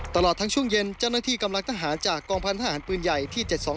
ตลอดทั้งช่วงเย็นเจ้าหน้าที่กำลังทหารจากกองพันธหารปืนใหญ่ที่๗๒